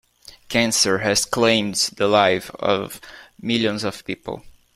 Cancer has claimed the lives of millions of people.